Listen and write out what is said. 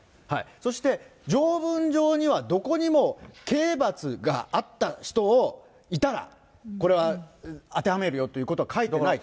そして条文上にはどこにも刑罰があった人がいたら、これは当てはめるよということは書いてない。